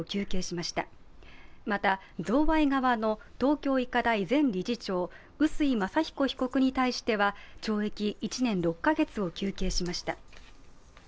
また、贈賄側の東京医科大前理事長、臼井正彦被告に対しては懲役１年６カ月を求刑しました。